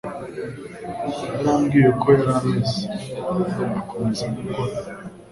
Yarambiwe uko yari ameze, akomeza gukora.